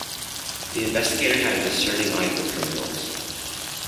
The investigator had a discerning eye for criminals.